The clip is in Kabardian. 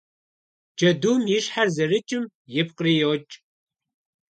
Джэдум и щхьэр зэрыкӀым ипкъри йокӀ.